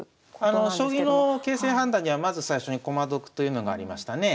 将棋の形勢判断にはまず最初に駒得というのがありましたねえ。